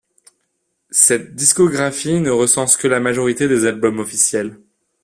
Cette discographie ne recense que la majorité des albums officiels.